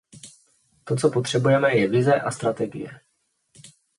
To, co potřebujeme, je vize a strategie.